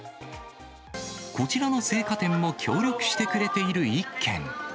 こちらの青果店も協力してくれている一軒。